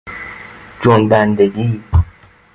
جنبندگی